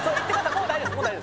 もう大丈夫です